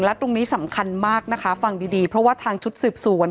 และตรงนี้สำคัญมากนะคะฟังดีดีเพราะว่าทางชุดสืบสวน